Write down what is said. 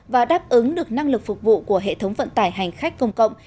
và đáp ứng được năng lực phục vụ của hệ thống vận tải hành khách công cộng